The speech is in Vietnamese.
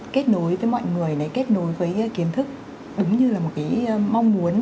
kết nối với mọi người kết nối với kiến thức đúng như là một cái mong muốn